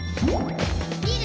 「みる！